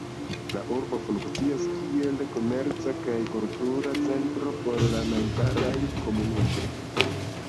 La urbo ankaŭ funkcias kiel komerca kaj kultura centro por la najbaraj komunumoj.